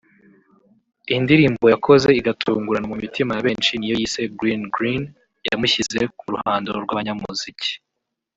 Indirimbo yakoze igatungurana mu mitima ya benshi ni iyo yise ‘Green-Green’ yamushyize mu ruhando rw’abanyamuziki